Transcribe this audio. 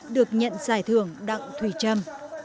được nhận giải thưởng đặng thùy trâm